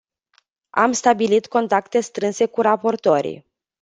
Am stabilit contacte strânse cu raportorii.